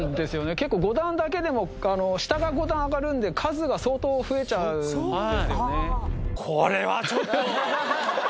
結構５段だけでも下が５段上がるんで数が相当増えちゃうんですよね。